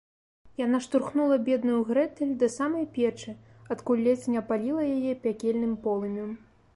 - Яна штурхнула бедную Грэтэль да самай печы, адкуль ледзь не апаліла яе пякельным полымем